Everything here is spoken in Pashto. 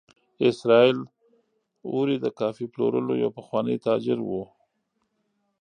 اسراییل اوري د کافي پلورلو یو پخوانی تاجر و.